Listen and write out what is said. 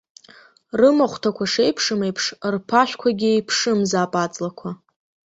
Рымахәҭақәа шеиԥшым еиԥш, рԥашәқәагьы еиԥшымзаап аҵлақәа.